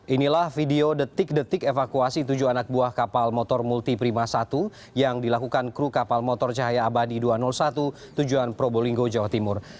inilah video detik detik evakuasi tujuh anak buah kapal motor multiprima satu yang dilakukan kru kapal motor cahaya abadi dua ratus satu tujuan probolinggo jawa timur